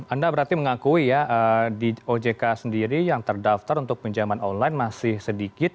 anda berarti mengakui ya di ojk sendiri yang terdaftar untuk pinjaman online masih sedikit